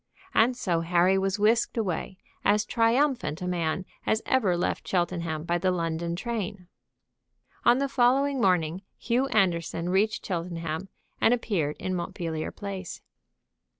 And so Harry was whisked away, as triumphant a man as ever left Cheltenham by the London train. On the following morning Hugh Anderson reached Cheltenham and appeared in Montpellier Place.